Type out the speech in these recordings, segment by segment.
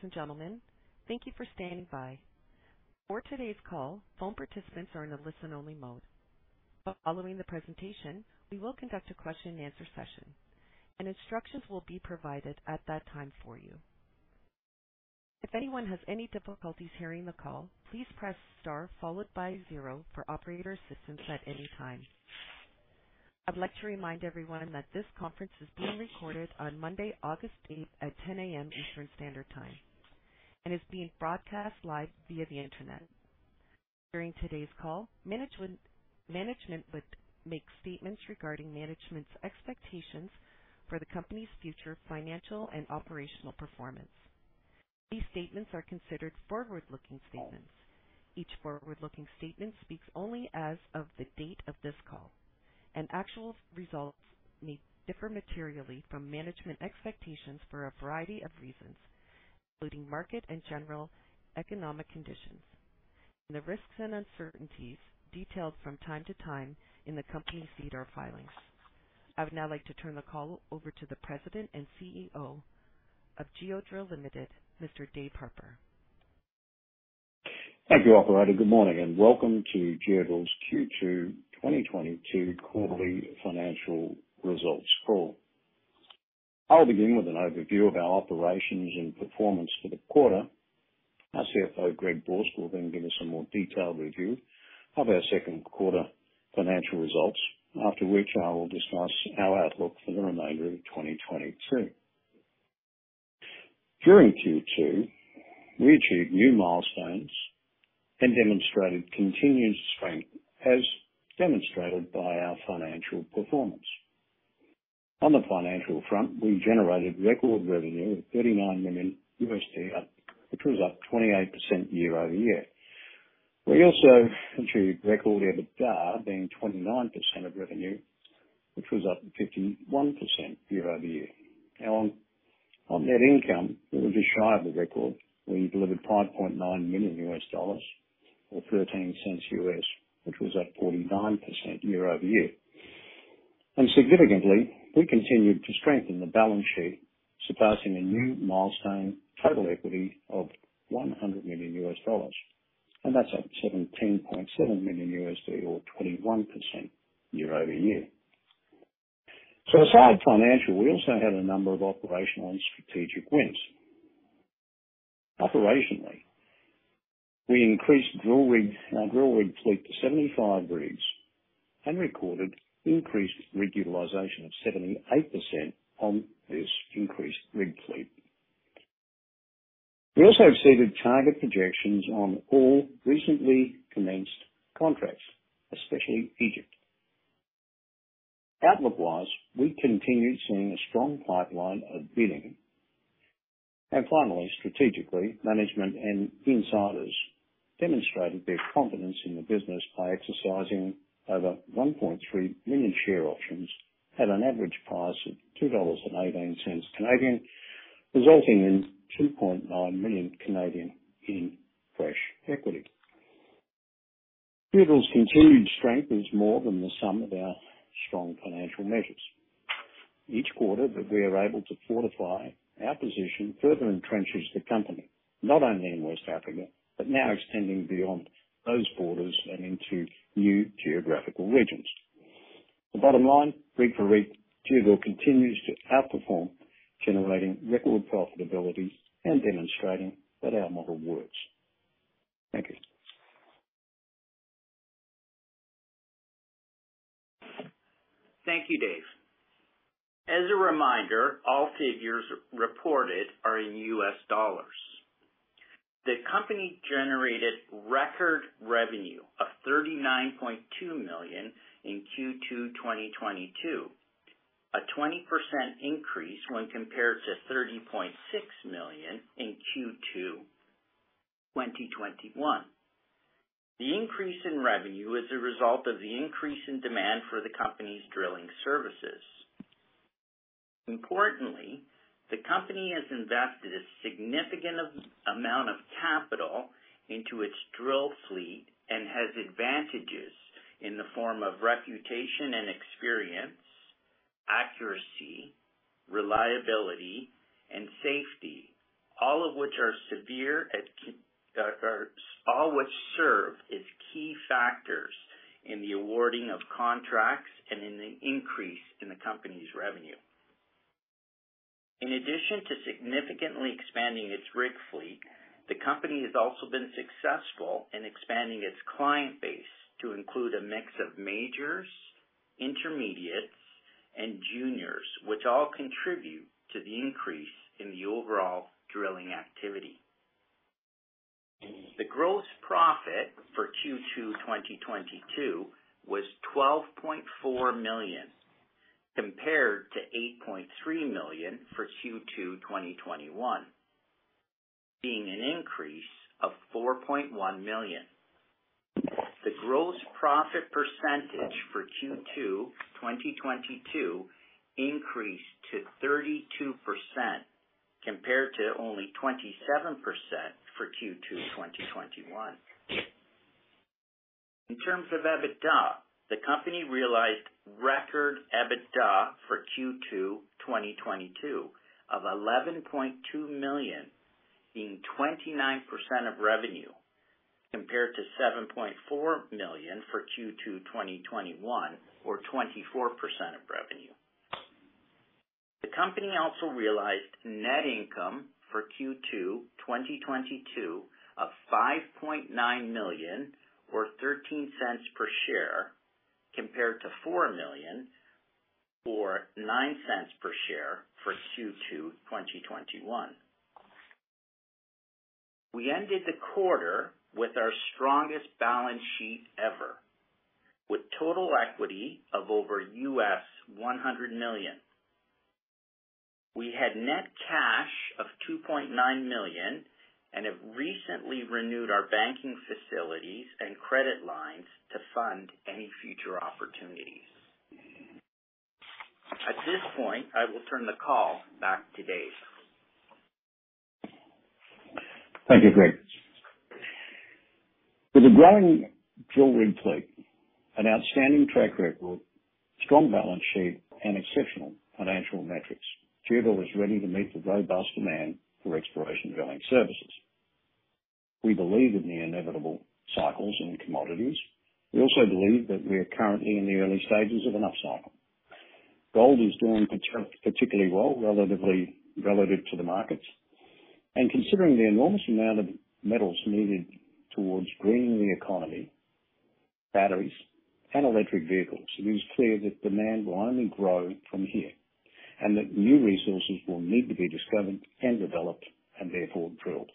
Good evening, ladies and gentlemen. Thank you for standing by. For today's call, phone participants are in a listen only mode. Following the presentation, we will conduct a question and answer session, and instructions will be provided at that time for you. If anyone has any difficulties hearing the call, please press star followed by zero for operator assistance at any time. I'd like to remind everyone that this conference is being recorded on Monday, August 8th at 10 A.M. Eastern Standard Time and is being broadcast live via the Internet. During today's call, management would make statements regarding management's expectations for the company's future financial and operational performance. These statements are considered forward-looking statements. Each forward-looking statement speaks only as of the date of this call, and actual results may differ materially from management expectations for a variety of reasons, including market and general economic conditions, and the risks and uncertainties detailed from time to time in the company's SEDAR filings. I would now like to turn the call over to the President and CEO of Geodrill Limited, Mr. Dave Harper. Thank you, operator. Good morning and welcome to Geodrill's Q2 2022 quarterly financial results call. I'll begin with an overview of our operations and performance for the quarter. Our CFO, Greg Borsk, will then give us a more detailed review of our second quarter financial results. After which, I will discuss our outlook for the remainder of 2022. During Q2, we achieved new milestones and demonstrated continued strength as demonstrated by our financial performance. On the financial front, we generated record revenue of $39 million, which was up 28% year-over-year. We also achieved record EBITDA being 29% of revenue, which was up 51% year-over-year. Now, on net income, we were just shy of the record. We delivered $5.9 million or $0.13, which was up 49% year-over-year. Significantly, we continued to strengthen the balance sheet, surpassing a new milestone total equity of $100 million, and that's up $17.7 million or 21% year-over-year. Aside financial, we also had a number of operational and strategic wins. Operationally, we increased our drill rig fleet to 75 rigs and recorded increased rig utilization of 78% on this increased rig fleet. We also exceeded target projections on all recently commenced contracts, especially Egypt. Outlook wise, we continued seeing a strong pipeline of bidding. Finally, strategically, management and insiders demonstrated their confidence in the business by exercising over 1.3 million share options at an average price of 2.18 Canadian dollars, resulting in 2.9 million in fresh equity. Geodrill's continued strength is more than the sum of our strong financial measures. Each quarter that we are able to fortify our position further entrenches the company, not only in West Africa, but now extending beyond those borders and into new geographical regions. The bottom line, rig for rig, Geodrill continues to outperform, generating record profitability and demonstrating that our model works. Thank you. Thank you, Dave. As a reminder, all figures reported are in U.S. dollars. The company generated record revenue of $39.2 million in Q2 2022, a 20% increase when compared to $30.6 million in Q2 2021. The increase in revenue is a result of the increase in demand for the company's drilling services. Importantly, the company has invested a significant amount of capital into its drill fleet and has advantages in the form of reputation and experience, accuracy, reliability, and safety. All of which serve as key factors in the awarding of contracts and in the increase in the company's revenue. In addition to significantly expanding its rig fleet, the company has also been successful in expanding its client base to include a mix of majors, intermediates, and juniors, which all contribute to the increase in the overall drilling activity. The gross profit for Q2 2022 was $12.4 million, compared to $8.3 million for Q2 2021, being an increase of $4.1 million. The gross profit percentage for Q2 2022 increased to 32%, compared to only 27% for Q2 2021. In terms of EBITDA, the company realized record EBITDA for Q2 2022 of $11.2 million, being 29% of revenue, compared to $7.4 million for Q2 2021 or 24% of revenue. The company also realized net income for Q2 2022 of $5.9 million or $0.13 per share, compared to $4 million or $0.09 per share for Q2 2021. We ended the quarter with our strongest balance sheet ever with total equity of over $100 million. We had net cash of $2.9 million and have recently renewed our banking facilities and credit lines to fund any future opportunities. At this point, I will turn the call back to Dave. Thank you, Greg. With a growing drill rig fleet, an outstanding track record, strong balance sheet and exceptional financial metrics, Geodrill is ready to meet the robust demand for exploration drilling services. We believe in the inevitable cycles in commodities. We also believe that we are currently in the early stages of an upcycle. Gold is doing particularly well, relatively to the markets. Considering the enormous amount of metals needed towards greening the economy, batteries and electric vehicles, it is clear that demand will only grow from here and that new resources will need to be discovered and developed and therefore drilled.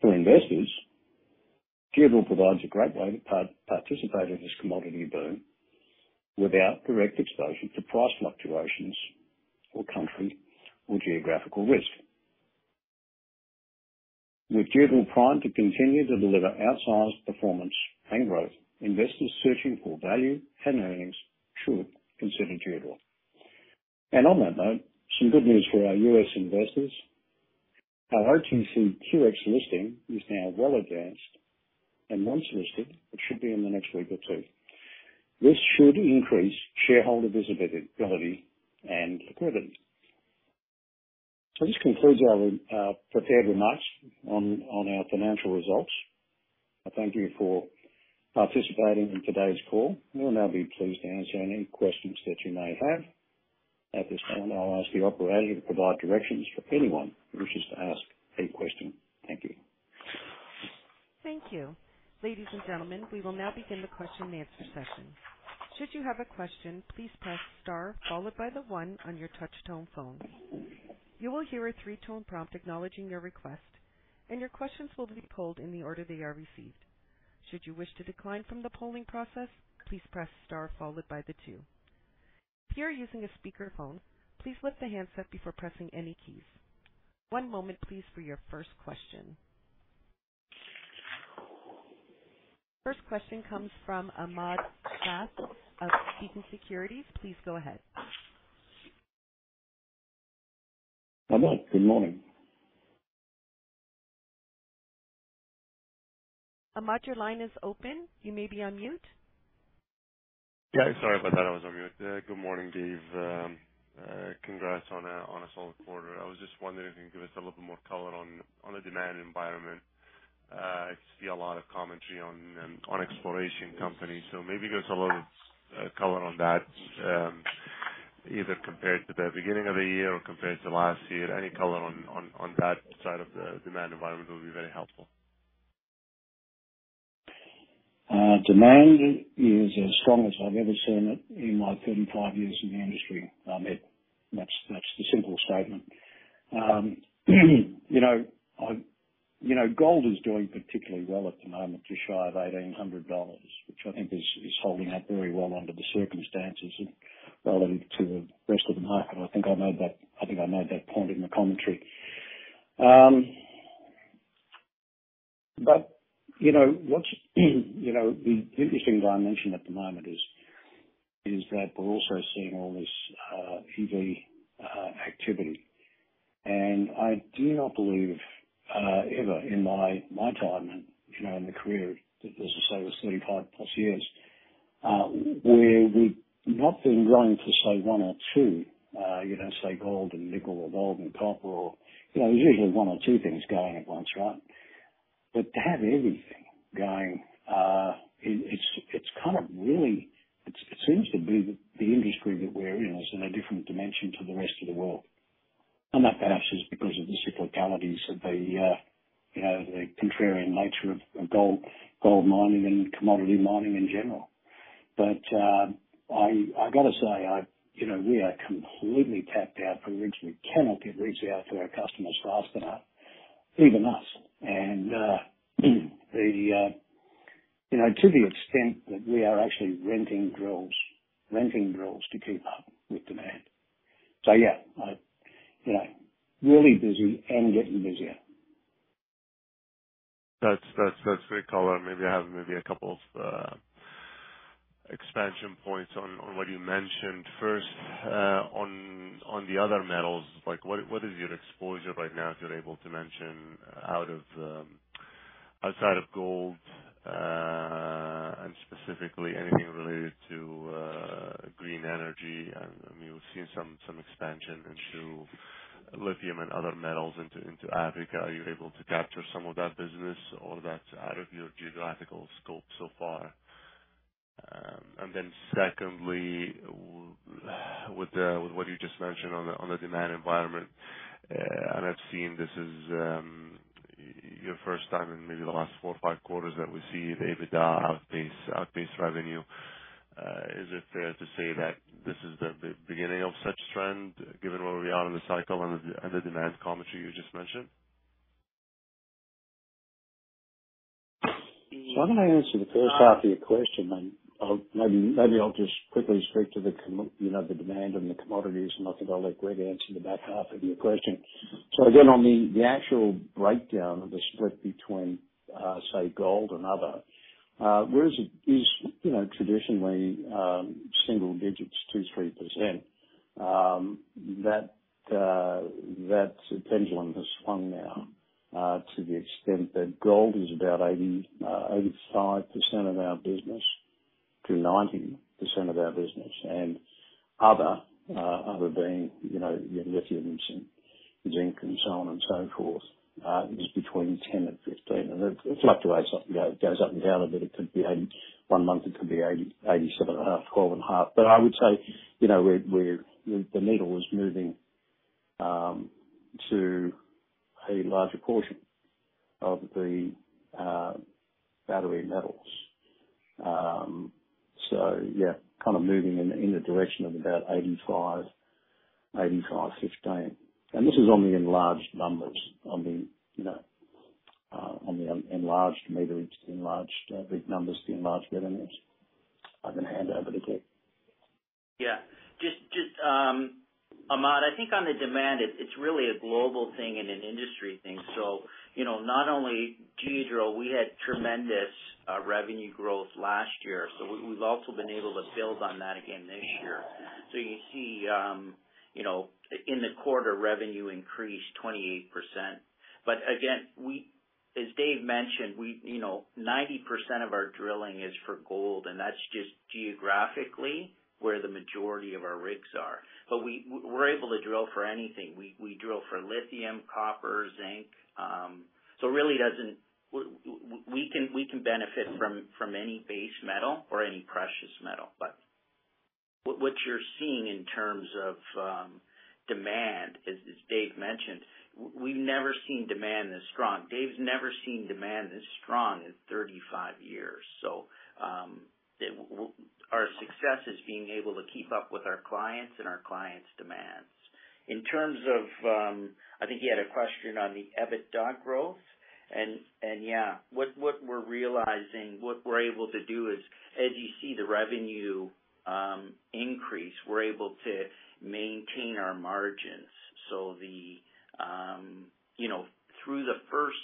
For investors, Geodrill provides a great way to participate in this commodity boom without direct exposure to price fluctuations or country or geographical risk. With Geodrill primed to continue to deliver outsized performance and growth, investors searching for value and earnings should consider Geodrill. On that note, some good news for our U.S. investors. Our OTCQX listing is now well advanced and once listed, it should be in the next week or two. This should increase shareholder visibility and credibility. This concludes our prepared remarks on our financial results. I thank you for participating in today's call. We will now be pleased to answer any questions that you may have. At this time, I'll ask the operator to provide directions for anyone who wishes to ask a question. Thank you. Thank you. Ladies and gentlemen, we will now begin the question and answer session. Should you have a question, please press star followed by the one on your touch tone phone. You will hear a three-tone prompt acknowledging your request, and your questions will be polled in the order they are received. Should you wish to decline from the polling process, please press star followed by the two. If you are using a speakerphone, please lift the handset before pressing any keys. One moment please for your first question. First question comes from Ahmad Shaath of Beacon Securities. Please go ahead. Ahmad, good morning. Ahmad, your line is open. You may be on mute. Yeah, sorry about that. I was on mute. Good morning, Dave. Congrats on a solid quarter. I was just wondering if you can give us a little more color on the demand environment. I see a lot of commentary on exploration companies, so maybe give us a little color on that, either compared to the beginning of the year or compared to last year. Any color on that side of the demand environment will be very helpful. Demand is as strong as I've ever seen it in my 35 years in the industry, Ahmad. That's the simple statement. You know, gold is doing particularly well at the moment, just shy of $1,800 which I think is holding up very well under the circumstances relative to the rest of the market. I think I made that point in the commentary. You know, what's the interesting dynamic at the moment is that we're also seeing all this EV activity. I do not believe ever in my time and, you know, in the career, if I was to say 35+ years, where we've not been running for, say, one or two, you know, say gold and nickel or gold and copper or, you know, there's usually one or two things going at once, right? To have everything going, it's kind of really it seems to be the industry that we're in is in a different dimension to the rest of the world. That perhaps is because of the cyclicalities of, you know, the contrarian nature of gold mining and commodity mining in general. I gotta say, you know we are completely tapped out for rigs. We cannot get rigs out to our customers fast enough, even us. You know, to the extent that we are actually renting drills to keep up with demand. Yeah, I - you know, really busy and getting busier. That's great color. Maybe I have a couple of expansion points on what you mentioned. First, on the other metals, like what is your exposure right now, if you're able to mention outside of gold, and specifically anything related to green energy? I mean, we've seen some expansion into lithium and other metals into Africa. Are you able to capture some of that business or that's out of your geographical scope so far? And then secondly with what you just mentioned on the demand environment, and I've seen this is your first time in maybe the last four or five quarters that we see the EBITDA outpace revenue. Is it fair to say that this is the beginning of such trend given where we are in the cycle and the demand commentary you just mentioned? I'm gonna answer the first half of your question, and I'll maybe I'll just quickly speak to the you know, the demand and the commodities, and I think I'll let Greg answer the back half of your question. Again, on the actual breakdown of the split between say, gold and other, whereas it is you know, traditionally single digits, 2-3%, that pendulum has swung now to the extent that gold is about 85%-90% of our business. Other being you know, your lithium, zinc, and so on and so forth is between 10%-15%. It fluctuates, you know, it goes up and down a bit. It could be 81%-19%, it could be 80%, 87.5%, 12.5%. I would say, you know the needle is moving to a larger portion of the battery metals. Yeah, kind of moving in the direction of about 85%/15%. This is on the enlarged numbers on the, you know, on the enlarged meter, it's enlarged big numbers, the enlarged revenues. I can hand over to Greg Borsk. Yeah. Just Ahmad, I think on the demand, it's really a global thing and an industry thing. You know not only Geodrill, we had tremendous revenue growth last year. We've also been able to build on that again this year. You see, you know, in the quarter revenue increased 28%. Again, as Dave mentioned, you know, 90% of our drilling is for gold, and that's just geographically where the majority of our rigs are. We're able to drill for anything. We drill for lithium, copper, zinc, so it really doesn't. We can benefit from any base metal or any precious metal. What you're seeing in terms of demand, as Dave mentioned, we've never seen demand this strong. Dave's never seen demand this strong in 35 years. Well, our success is being able to keep up with our clients and our clients' demands. In terms of, I think he had a question on the EBITDA growth and yeah, what we're realizing, what we're able to do is, as you see the revenue increase, we're able to maintain our margins. The you know, through the first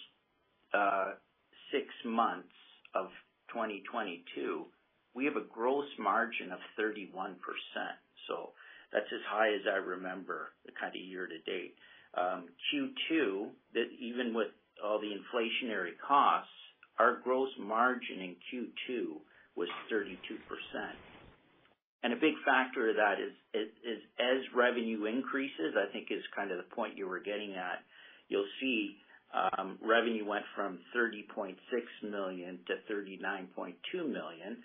six months of 2022, we have a gross margin of 31%. That's as high as I remember, the kind of year to date. Q2, that even with all the inflationary costs, our gross margin in Q2 was 32%. A big factor of that is, as revenue increases, I think is kind of the point you were getting at. You'll see revenue went from $30.6 million to $39.2 million.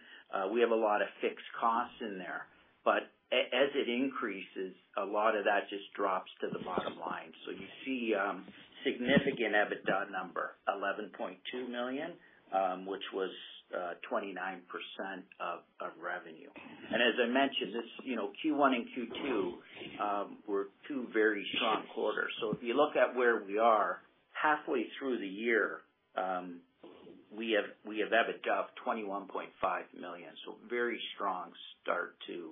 We have a lot of fixed costs in there. As it increases, a lot of that just drops to the bottom line. You see significant EBITDA number, $11.2 million, which was 29% of revenue. As I mentioned, this, you know, Q1 and Q2 were two very strong quarters. If you look at where we are halfway through the year, we have EBITDA of $21.5 million. Very strong start to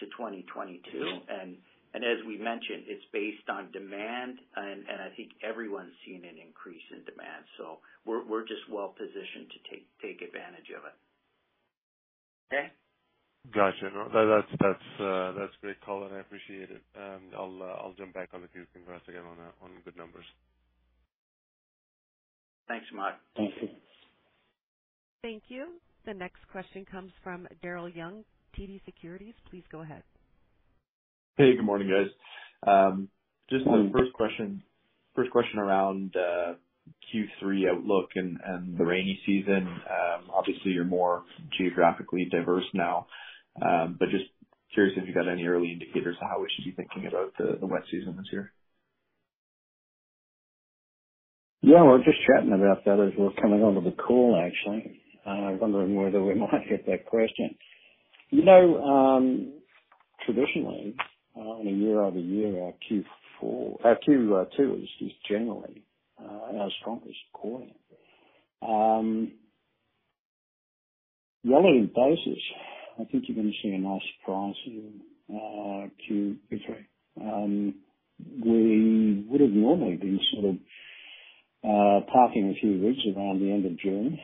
2022. As we mentioned, it's based on demand and I think everyone's seen an increase in demand. We're just well positioned to take advantage of it. Okay? Gotcha. No, that's a great call and I appreciate it. I'll jump back on the queue ,congrats again on the good numbers. Thanks, Ahmad. Thank you. Thank you. The next question comes from Daryl Young, TD Securities. Please go ahead. Hey, good morning, guys. Just the first question around Q3 outlook and the rainy season. Obviously, you're more geographically diverse now. Just curious if you got any early indicators of how we should be thinking about the wet season this year? Yeah, we're just chatting about that as we're coming onto the call, actually. Wondering whether we might get that question. You know, traditionally, on a year-over-year, our Q4, our Q2 is generally our strongest quarter. Relative basis, I think you're gonna see a nice surprise in Q3. We would have normally been sort of parking a few rigs around the end of June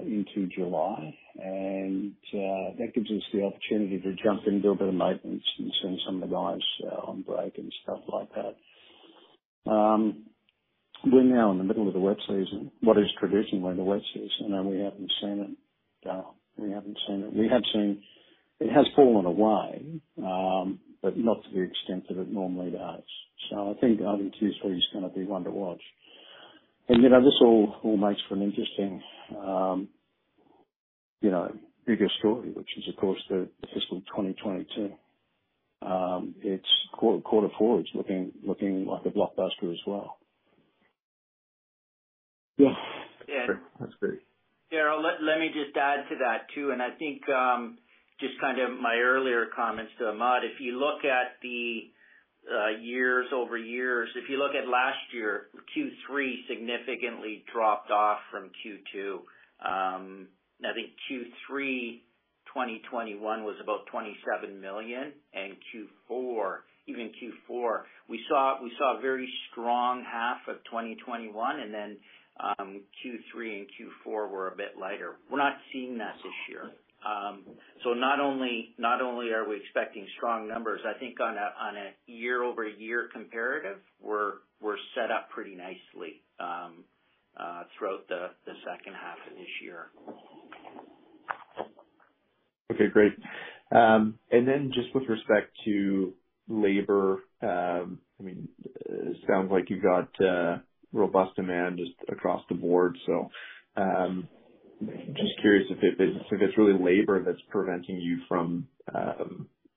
into July. That gives us the opportunity to jump in, do a bit of maintenance and send some of the guys on break and stuff like that. We're now in the middle of the wet season, what is traditionally the wet season, and we haven't seen it. We have seen. It has fallen away, but not to the extent that it normally does. I think Q3 is gonna be one to watch. You know this all makes for an interesting, you know, bigger story, which is of course the fiscal 2022. Its quarter four is looking like a blockbuster as well. Yeah. Sure. That's great. Daryl, let me just add to that too. I think just kind of my earlier comments to Ahmad, if you look at the year-over-year, if you look at last year, Q3 significantly dropped off from Q2. I think Q3, 2021 was about $27 million. Q4, even Q4, we saw a very strong half of 2021, and then Q3 and Q4 were a bit lighter. We're not seeing that this year. Not only are we expecting strong numbers, I think on a year-over-year comparative, we're set up pretty nicely throughout the second half of this year. Okay, great. Just with respect to labor, I mean, it sounds like you've got robust demand just across the board. Just curious if it's really labor that's preventing you from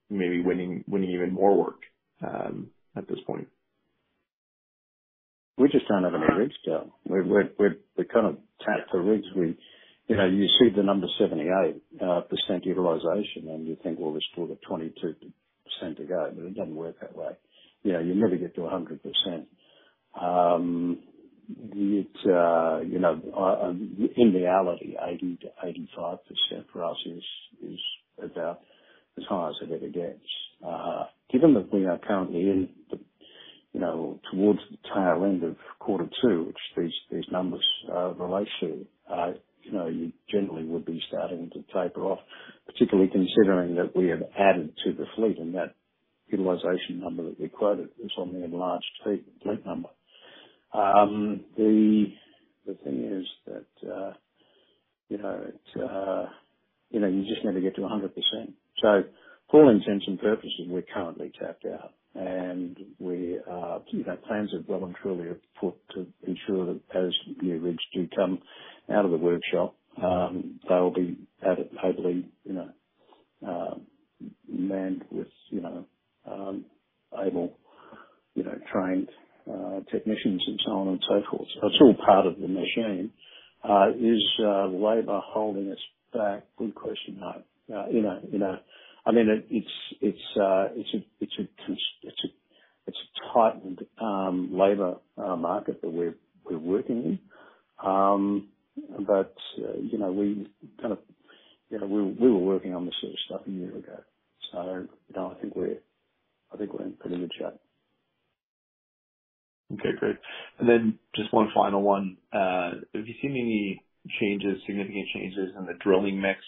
maybe winning even more work at this point? We just don't have any rigs, Daryl. We're kind of tapped for rigs. You know, you see the number 78% utilization and you think, well, there's still the 22% to go, but it doesn't work that way. You know, you'll never get to a 100%. In reality, 80%-85% for us is about as high as it ever gets. Given that we are currently towards the tail end of quarter two, which these numbers relate to, you know, you generally would be starting to taper off, particularly considering that we have added to the fleet and that utilization number that we quoted is on the enlarged fleet number. The thing is that, you know, it, you know, you're just never get to 100%. For all intents and purposes, we're currently tapped out and we are, you know, plans are well and truly afoot to ensure that as new rigs do come out of the workshop, they'll be added hopefully, you know, manned with, you know, able, you know, trained technicians and so on and so forth. It's all part of the machine. Is labor holding us back? Good question. You know, I mean, it's a tightened labor market that we're working in. You know, we kind of, you know, we were working on this sort of stuff a year ago, so, you know, I think we're in pretty good shape. Okay, great. Just one final one. Have you seen any changes, significant changes in the drilling mix?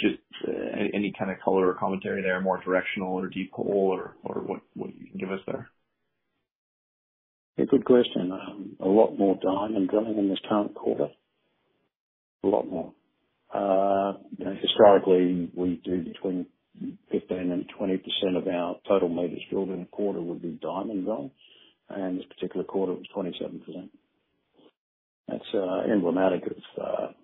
Just any kind of color or commentary there, more directional or deep hole or what you can give us there? Yeah, good question. A lot more diamond drilling in this current quarter. A lot more. You know, historically, we do between 15%-20% of our total meters drilled in a quarter would be diamond drill, and this particular quarter it was 27%. That's emblematic of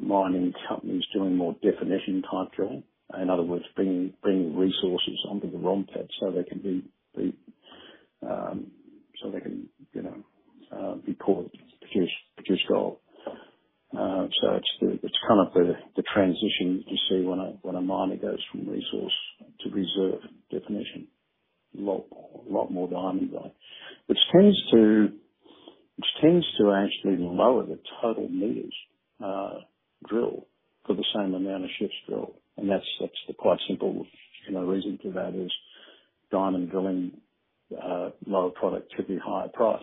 mining companies doing more delineation drilling. In other words, bringing resources onto the ROM pad so they can produce gold. So it's kind of the transition you see when a miner goes from resource to reserve definition. A lot more diamond though. Which tends to actually lower the total meters drilled for the same amount of shifts drilled. That's the quite simple, you know, reason for that is diamond drilling, lower productivity, typically higher price.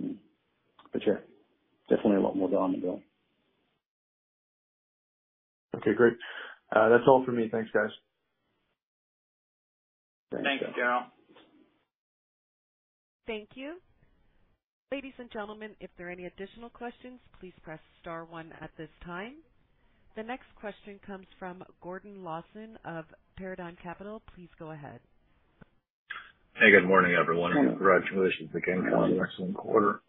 Yeah, definitely a lot more diamond drill. Okay, great. That's all for me. Thanks, guys. Thanks, Daryl. Thank you. Ladies and gentlemen, if there are any additional questions, please press star one at this time. The next question comes from Gordon Lawson of Paradigm Capital. Please go ahead. Hey, good morning, everyone. Hello. Congratulations again on an excellent quarter.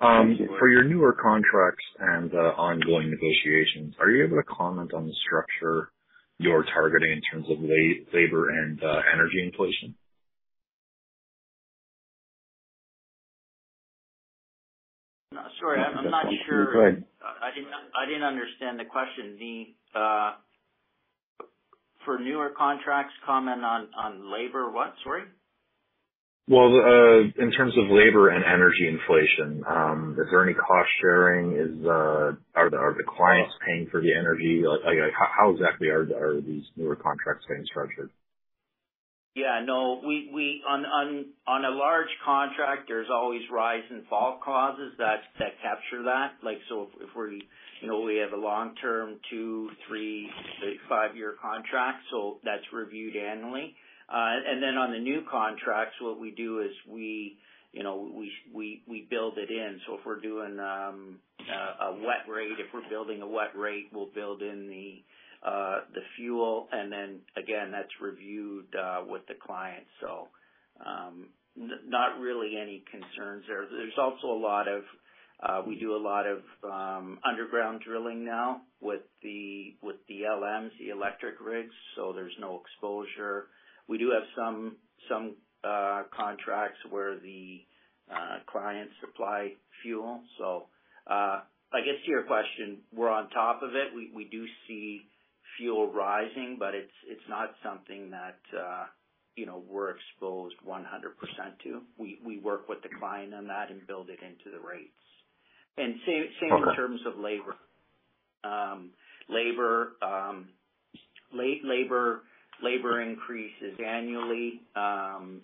Thank you. For your newer contracts and ongoing negotiations, are you able to comment on the structure you're targeting in terms of labor and energy inflation? Sorry, I'm not sure - Go ahead. I didn't understand the question. For newer contracts, comment on labor what? Sorry? Well, in terms of labor and energy inflation, is there any cost sharing? Are the clients paying for the energy? Like how exactly are these newer contracts getting structured? Yeah, no. On a large contract, there's always rise and fall clauses that capture that. Like, if we're, you know, we have a long-term two, three five-year contract. That's reviewed annually. On the new contracts, what we do is we, you know, build it in. If we're doing a wet rate, if we're building a wet rate, we'll build in the fuel. Then again, that's reviewed with the client. Not really any concerns there. We do a lot of underground drilling now with the LM, the electric rigs, so there's no exposure. We do have some contracts where the clients supply fuel. I guess to your question, we're on top of it. We do see fuel rising but it's not something that, you know, we're exposed 100% to. We work with the client on that and build it into the rates. Same in terms of labor. Labor increases annually.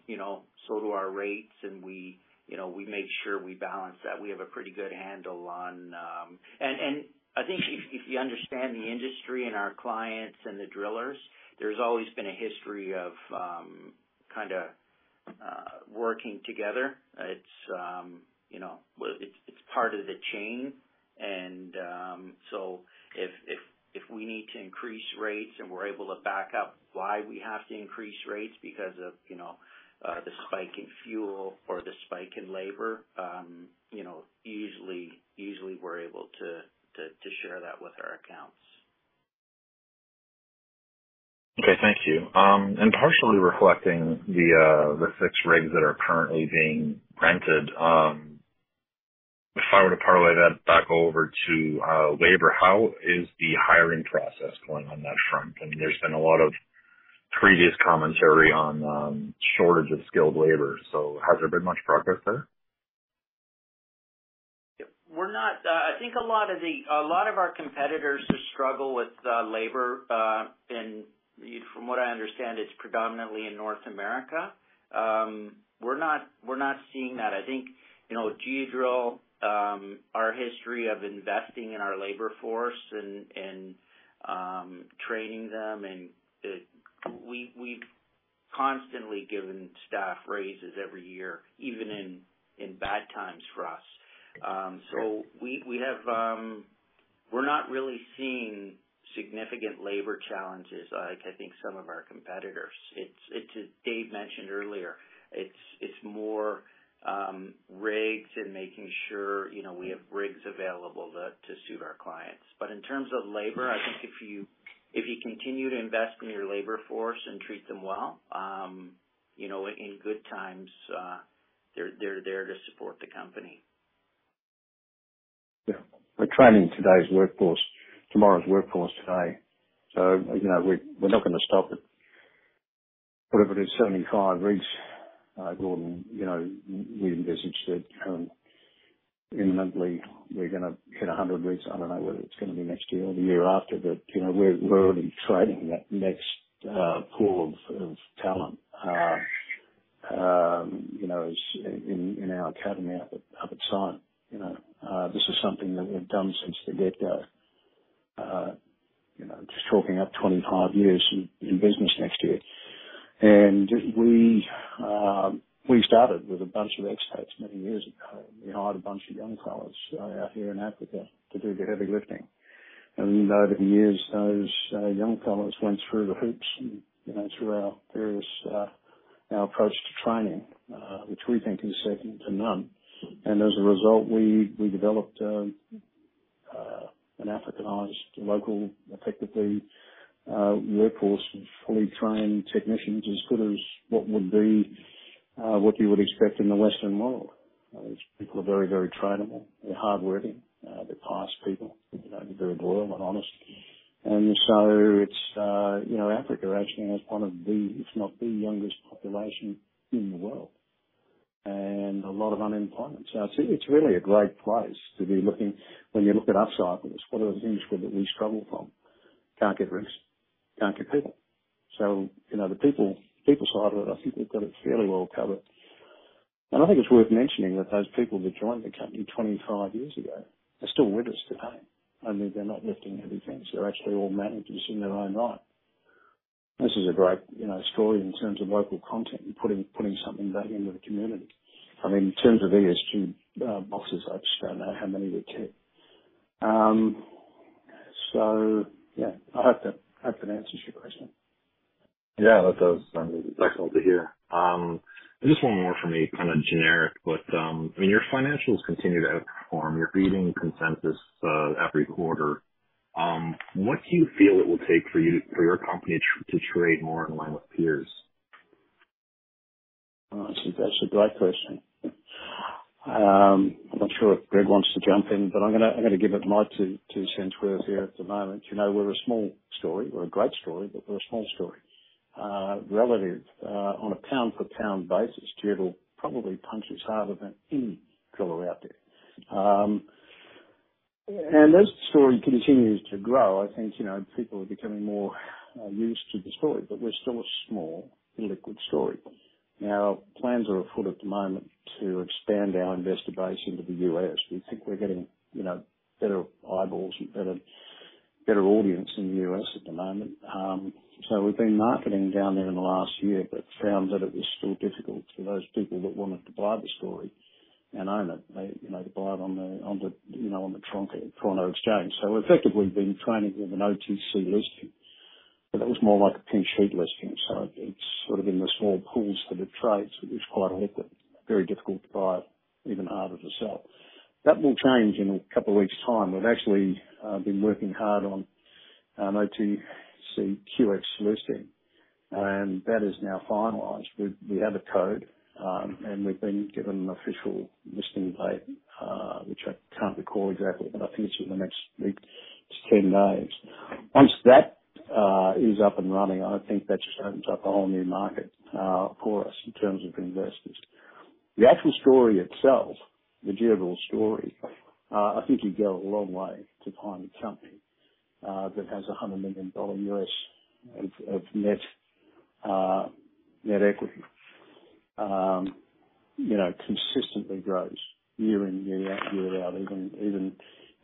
You know, so do our rates. We, you know, make sure we balance that. We have a pretty good handle on. I think if you understand the industry and our clients and the drillers, there's always been a history of kinda working together. It's part of the chain. If we need to increase rates and we're able to back up why we have to increase rates because of, you know, the spike in fuel or the spike in labor, you know, easily we're able to share that with our accounts. Okay, thank you. Partially reflecting the 6 rigs that are currently being rented, if I were to parlay that back over to labor, how is the hiring process going on that front? I mean there's been a lot of previous commentary on shortage of skilled labor. Has there been much progress there? I think a lot of our competitors who struggle with labor, and from what I understand, it's predominantly in North America. We're not seeing that. I think, you know, at Geodrill, our history of investing in our labor force and training them and we've constantly given staff raises every year, even in bad times for us. So we have - we're not really seeing significant labor challenges like I think some of our competitors. It's as Dave mentioned earlier, it's more rigs and making sure, you know, we have rigs available to suit our clients. In terms of labor, I think if you continue to invest in your labor force and treat them well, you know, in good times, they're there to support the company. Yeah. We're training today's workforce, tomorrow's workforce today. You know, we're not gonna stop at whatever it is, 75 rigs. Gordon, you know, we invested immensely. We're gonna hit 100 rigs. I don't know whether it's gonna be next year or the year after. You know, we're already training that next pool of talent. You know, as in our academy up at site, you know. This is something that we've done since the get-go. You know, just talking about 25 years in business next year. We started with a bunch of expats many years ago. We hired a bunch of young fellas out here in Africa to do the heavy lifting. Over the years, those young fellas went through the hoops and, you know, through our various, our approach to training, which we think is second to none. As a result, we developed an Africanized local, effectively, workforce with fully trained technicians as good as what would be, what you would expect in the Western world. These people are very, very trainable. They're hardworking. They're nice people. You know, they're very loyal and honest. It's, you know, Africa actually has one of the, if not the youngest population in the world. A lot of unemployment. It's really a great place to be looking. When you look at our side of this, one of the things that we struggle from, can't get rigs, can't get people. You know, the people side of it, I think we've got it fairly well covered. I think it's worth mentioning that those people that joined the company 25 years ago are still with us today, only they're not lifting heavy things. They're actually all managers in their own right. This is a great, you know, story in terms of local content and putting something back into the community. I mean, in terms of ESG boxes, I just don't know how many we tick. I hope that answers your question. Yeah, that does and that's helpful to hear. Just one more for me, kind of generic. I mean, your financials continue to outperform. You're beating consensus every quarter. What do you feel it will take for your company to trade more in line with peers? That's a great question. I'm not sure if Greg wants to jump in, but I'm gonna give it my two cents worth here at the moment. You know, we're a small story. We're a great story, but we're a small story. Relative, on a pound-for-pound basis, Geodrill probably punches harder than any driller out there. As the story continues to grow, I think, you know, people are becoming more used to the story but we're still a small liquid story. Now, plans are afoot at the moment to expand our investor base into the U.S. We think we're getting, you know, better eyeballs and better audience in the U.S. at the moment. We've been marketing down there in the last year, but found that it was still difficult for those people that wanted to buy the story and own it. They, you know, to buy it on the Toronto Exchange. Effectively been trading with an OTC listing, but it was more like a pink sheet listing. It's sort of in the small pools for the trades. It was quite illiquid, very difficult to buy, even harder to sell. That will change in a couple weeks time. We've actually been working hard on an OTCQX listing, and that is now finalized. We have a code, and we've been given an official listing date, which I can't recall exactly, but I think it's in the next week to ten days. Once that is up and running, I think that just opens up a whole new market for us in terms of investors. The actual story itself, the Geodrill story, I think you'd go a long way to find a company that has $100 million of net equity. You know, consistently grows year in, year out, even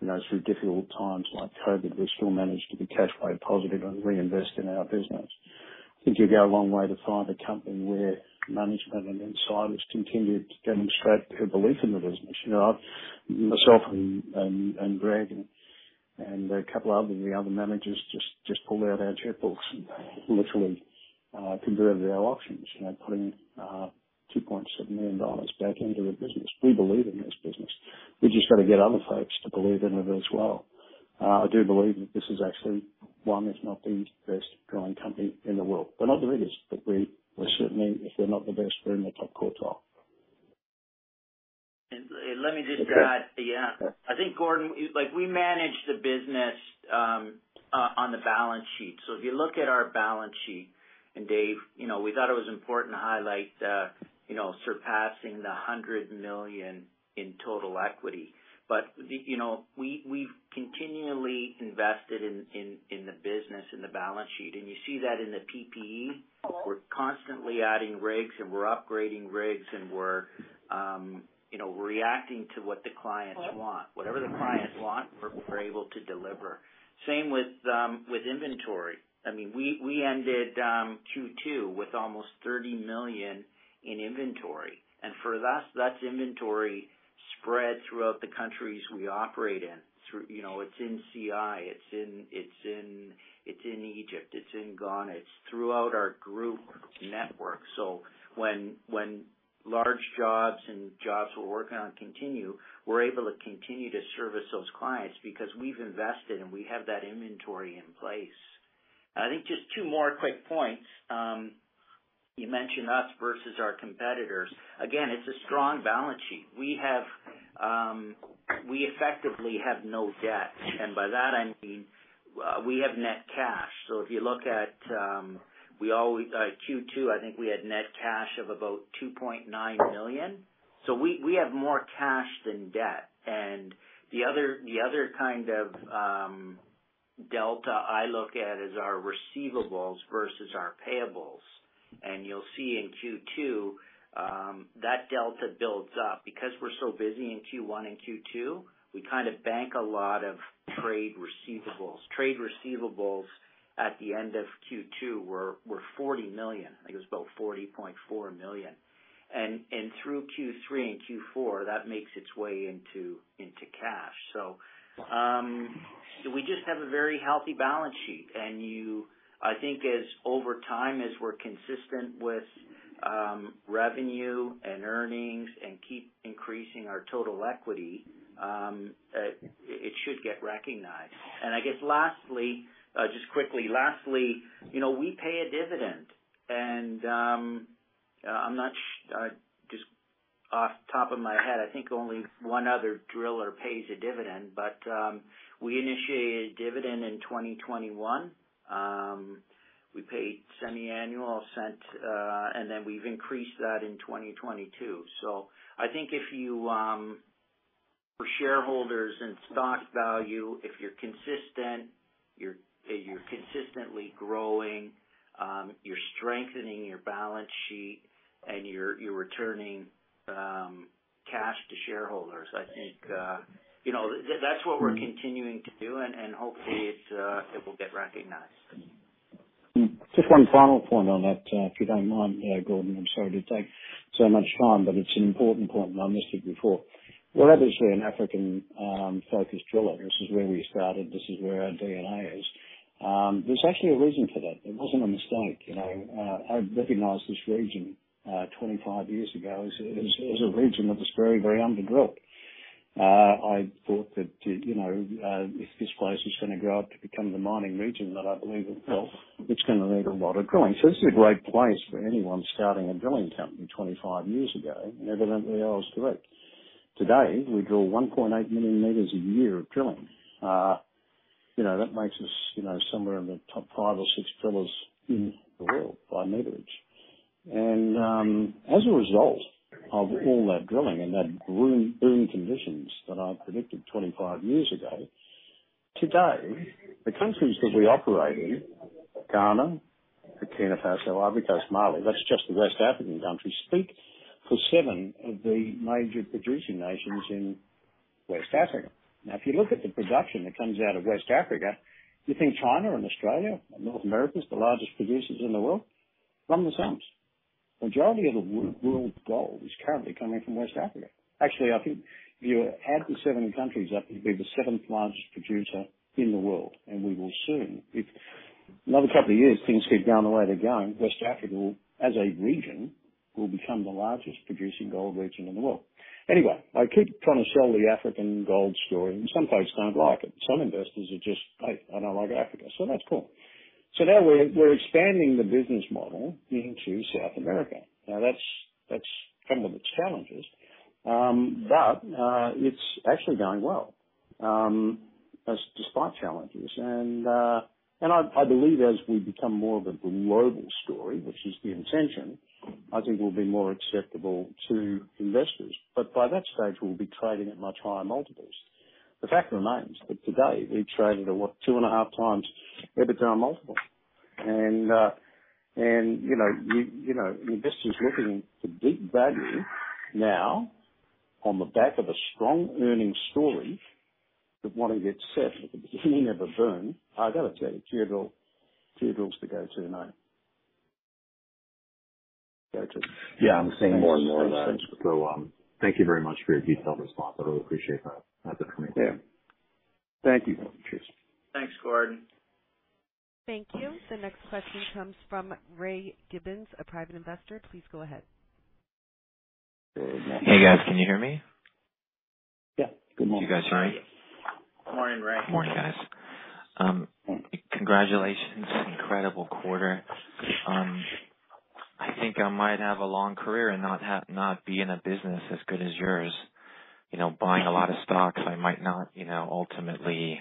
you know, through difficult times like COVID, we still managed to be cash flow positive and reinvest in our business. I think you'd go a long way to find a company where management and insiders continued to demonstrate their belief in the business. You know, I've - myself and Greg and the other managers just pulled out our checkbooks and literally converted our options, you know, putting $2.7 million back into the business. We believe in this business. We just got to get other folks to believe in it as well. I do believe that this is actually one, if not the best growing company in the world. We're not the biggest, but we're certainly, if we're not the best, we're in the top quartile. Let me just add. Okay. Yeah. I think Gordon, like we manage the business on the balance sheet. If you look at our balance sheet and Dave, you know, we thought it was important to highlight, you know, surpassing $100 million in total equity. You know, we've continually invested in the business, in the balance sheet, and you see that in the PPE. We're constantly adding rigs and we're upgrading rigs and we're, you know, reacting to what the clients want. Whatever the clients want, we're able to deliver. Same with inventory. I mean we ended Q2 with almost $30 million in inventory. For us, that's inventory spread throughout the countries we operate in. You know, it's in CI, it's in Egypt, it's in Ghana, it's throughout our group network. When large jobs and jobs we're working on continue, we're able to continue to service those clients because we've invested and we have that inventory in place. I think just two more quick points. You mentioned us versus our competitors. Again, it's a strong balance sheet. We effectively have no debt. By that I mean, we have net cash. If you look at, we always Q2, I think we had net cash of about $2.9 million. We have more cash than debt. The other kind of delta I look at is our receivables versus our payables. You'll see in Q2 that delta builds up. Because we're so busy in Q1 and Q2, we kind of bank a lot of trade receivables. Trade receivables at the end of Q2 were $40 million. I think it was about $40.4 million. Through Q3 and Q4, that makes its way into cash. We just have a very healthy balance sheet. I think as over time, as we're consistent with revenue and earnings and keep increasing our total equity, it should get recognized. I guess just quickly, we pay a dividend. I'm not sure, just off the top of my head I think only one other driller pays a dividend. We initiated a dividend in 2021. We paid semi-annual cents, and then we've increased that in 2022. I think if you for shareholders and stock value, if you're consistent, you're consistently growing, you're strengthening your balance sheet and you're returning cash to shareholders, I think you know that's what we're continuing to do, and hopefully it will get recognized. Just one final point on that, if you don't mind, Gordon, I'm sorry to take so much time, but it's an important point and I missed it before. We're obviously an African focused driller. This is where we started. This is where our DNA is. There's actually a reason for that. It wasn't a mistake. You know, I recognized this region 25 years ago as a region that was very, very under-drilled. I thought that, you know, if this place was gonna grow up to become the mining region that I believe it will, it's gonna need a lot of drilling. This is a great place for anyone starting a drilling company 25 years ago, and evidently I was correct. Today, we drill 1.8 million meters a year of drilling. You know, that makes us, you know, somewhere in the top five or six drillers in the world by meterage. As a result of all that drilling and that gold boom conditions that I predicted 25 years ago, today the countries that we operate in, Ghana, Burkina Faso, Ivory Coast, Mali, that's just the West African countries, account for seven of the major producing nations in West Africa. Now, if you look at the production that comes out of West Africa, you think China and Australia and North America is the largest producers in the world. Run the sums. Majority of the world's gold is currently coming from West Africa. Actually, I think if you add the seven countries up, it'd be the seventh largest producer in the world. We will soon, if another couple of years things keep going the way they're going, West Africa will, as a region, become the largest producing gold region in the world. Anyway, I keep trying to sell the African gold story, and some folks don't like it. Some investors are just, "I don't like Africa," so that's cool. Now we're expanding the business model into South America. That's come with its challenges but it's actually going well, and despite challenges. I believe as we become more of a global story, which is the intention, I think we'll be more acceptable to investors. By that stage, we'll be trading at much higher multiples. The fact remains that today we traded at, what, 2.5x EBITDA multiple. You know, investors looking to dig value now on the back of a strong earnings story that want to get set at the beginning of a boom, I gotta tell you, two drills to go to, you know. Yeah, I'm seeing more and more of that. Thank you very much for your detailed response. I really appreciate that comment. Yeah. Thank you. Cheers. Thanks, Gordon. Thank you. The next question comes from Ray Gibbons, a private investor. Please go ahead. Hey, guys. Can you hear me? Yeah. Good morning. You guys hear me? Morning, Ray. Morning, guys. Congratulations. Incredible quarter. I think I might have a long career and not be in a business as good as yours. You know, buying a lot of stocks, I might not, you know, ultimately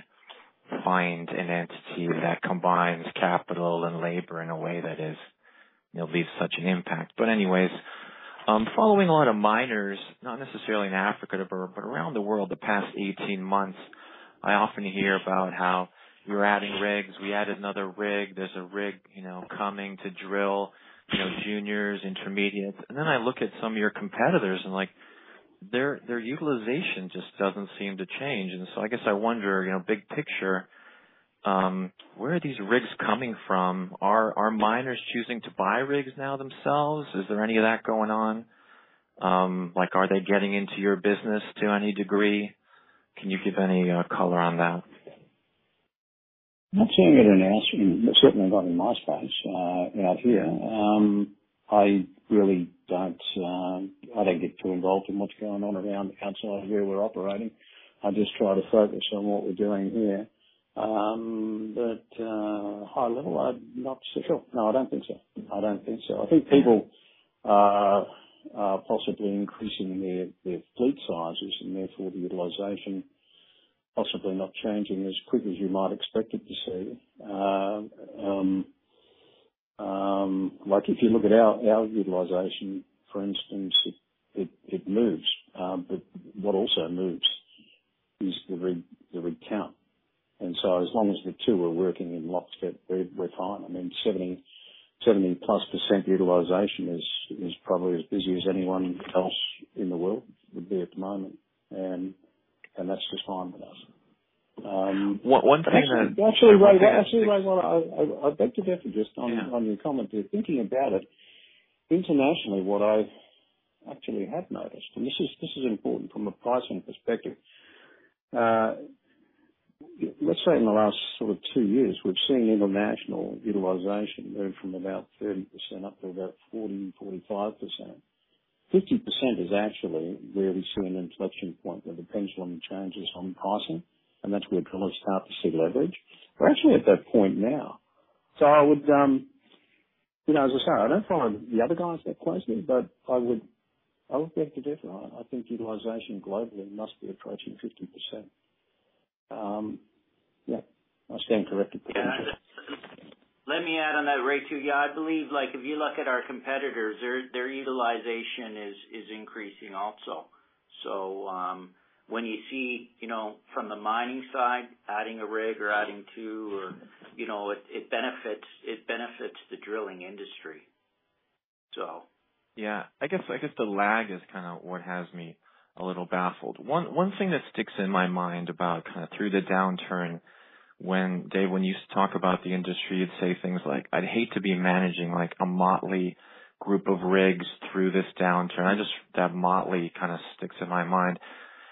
find an entity that combines capital and labor in a way that is, you know, leaves such an impact. But anyways, following a lot of miners, not necessarily in Africa, but around the world the past 18 months, I often hear about how we're adding rigs. We added another rig. There's a rig, you know, coming to drill, you know, juniors, intermediates. Then I look at some of your competitors, and like, their utilization just doesn't seem to change. I guess I wonder, you know, big picture, where are these rigs coming from? Are miners choosing to buy rigs now themselves? Is there any of that going on? Like, are they getting into your business to any degree? Can you give any color on that? I'm seeing it announced, certainly not in my space, out here. I really don't get too involved in what's going on around the countryside where we're operating. I just try to focus on what we're doing here. High level, I'm not so sure. No, I don't think so. I think people are possibly increasing their fleet sizes, and therefore the utilization possibly not changing as quick as you might expect it to see. Like if you look at our utilization, for instance, it moves. What also moves is the rig count. As long as the two are working in lockstep, we're fine. I mean, +70% utilization is probably as busy as anyone else in the world would be at the moment. That's just fine with us. One thing that - Actually, Ray, what I beg to differ just on your comment there. Thinking about it, internationally what I actually have noticed, and this is important from a pricing perspective. Let's say in the last sort of two years, we've seen international utilization move from about 30% up to about 40-45%. 50% is actually where we see an inflection point where the pendulum changes on pricing, and that's where drillers start to see leverage. We're actually at that point now. I would, you know, as I say, I don't follow the other guys that closely, but I would beg to differ. I think utilization globally must be approaching 50%. Yeah, I stand corrected. Let me add on that, Ray, too. Yeah, I believe, like, if you look at our competitors, their utilization is increasing also. When you see, you know, from the mining side, adding a rig or adding two or, you know, it benefits the drilling industry. Yeah. I guess the lag is kind of what has me a little baffled. One thing that sticks in my mind about kind of through the downturn, when Dave, you used to talk about the industry, you'd say things like, "I'd hate to be managing, like, a motley group of rigs through this downturn." I just, that motley kind of sticks in my mind.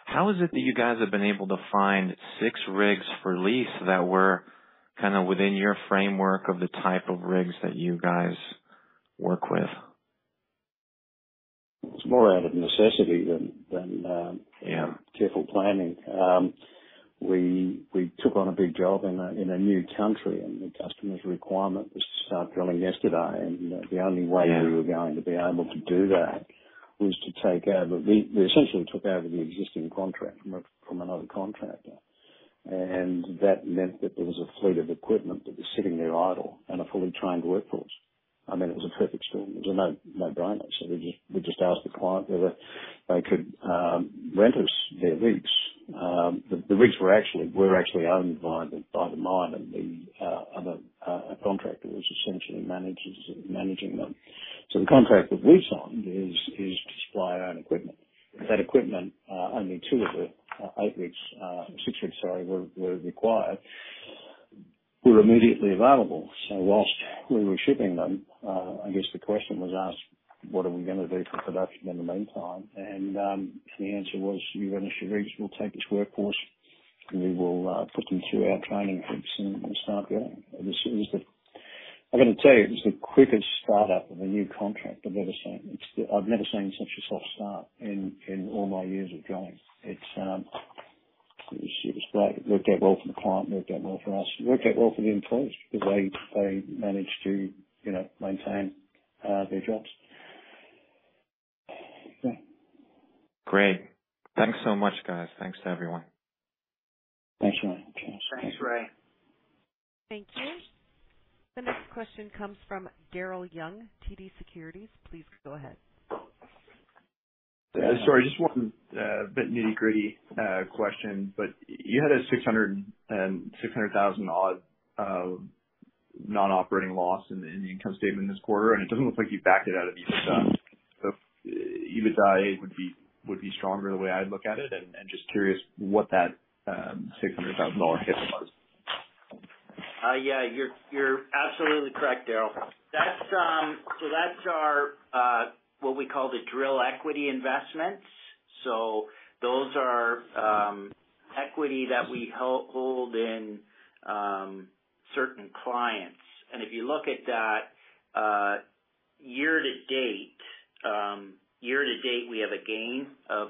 How is it that you guys have been able to find six rigs for lease that were kind of within your framework of the type of rigs that you guys work with? It's more out of necessity than careful planning. We took on a big job in a new country, and the customer's requirement was start drilling yesterday. The only way we're going to be able to do that -we essentially took over the existing contract from another contractor. That meant that there was a fleet of equipment that was sitting there idle and a fully trained workforce. I mean it was a perfect storm. It was a no-brainer. We just asked the client whether they could rent us their rigs. The rigs were actually owned by the miner. The other contractor was essentially managing them. The contract that we signed is to supply our own equipment. That equipment, only two of the eight rigs, six rigs, sorry, were required were immediately available. While we were shipping them, I guess the question was asked, "What are we gonna do for production in the meantime?" The answer was, "You're gonna ship rigs. We'll take this workforce, and we will put them through our training rigs and start there." It was the quickest startup of a new contract I've ever seen. I've never seen such a soft start in all my years of drilling. It was great. Worked out well for the client, worked out well for us. Worked out well for the employees, because they managed to, you know, maintain their jobs. Yeah. Great. Thanks so much, guys. Thanks to everyone. Thanks, Ray. Cheers. Thanks, Ray. Thank you. The next question comes from Daryl Young, TD Securities. Please go ahead. Sorry, just one bit nitty-gritty question. You had a $600,000 odd non-operating loss in the income statement this quarter, and it doesn't look like you backed it out of EBITDA. EBITDA would be stronger, the way I'd look at it. Just curious what that $600,000 hit was. You're absolutely correct, Daryl. That's our what we call the drill equity investments. Those are equity that we hold in certain clients. If you look at that year to date, we have a gain of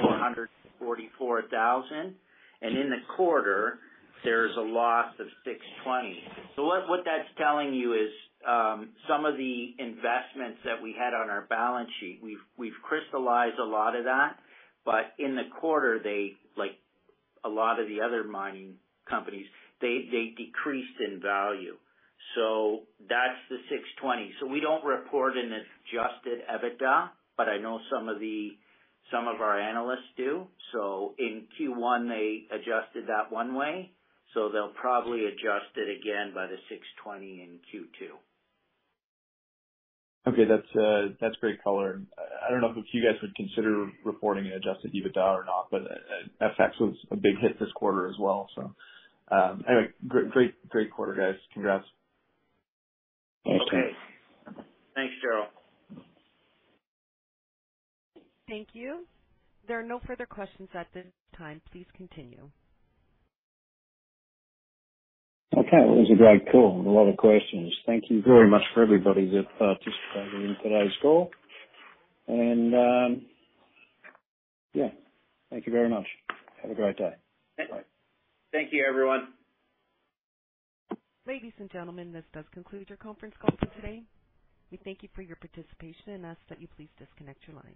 $444,000. In the quarter, there's a loss of $620,000. What that's telling you is some of the investments that we had on our balance sheet, we've crystallized a lot of that. In the quarter, they, like a lot of the other mining companies, decreased in value. That's the $620,000. We don't report an adjusted EBITDA, but I know some of our analysts do. In Q1 they adjusted that one way, so they'll probably adjust it again by the $6.20 in Q2. Okay. That's great color. I don't know if you guys would consider reporting an adjusted EBITDA or not, but FX was a big hit this quarter as well, so. Anyway, great quarter, guys. Congrats. Okay. Thanks, Daryl. Thank you. There are no further questions at this time. Please continue. Okay. It was a great call and a lot of questions. Thank you very much for everybody that participated in today's call. Yeah, thank you very much. Have a great day. Bye. Thank you, everyone. Ladies and gentlemen, this does conclude your conference call for today. We thank you for your participation and ask that you please disconnect your lines.